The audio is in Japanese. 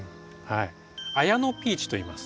あやのピーチといいます。